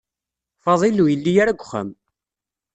Faḍil ur yelli ara deg uxxam.